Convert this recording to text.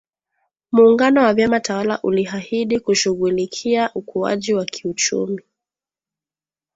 Muungano wa vyama tawala ulihahidi kushughulikia ukuaji wa kiuchumi